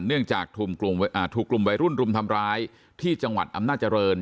เนื่องจากถูกกลุ่มวัยรุ่นรุมทำร้ายที่จังหวัดอำนาจริง